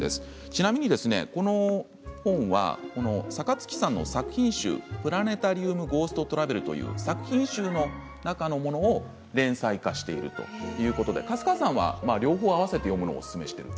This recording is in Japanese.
ちなみに、この本は坂月さんの作品集の「プラネタリウム・ゴースト・トラベル」という作品集の中のものを連載化しているということで粕川さんは両方合わせて読むのをおすすめしている。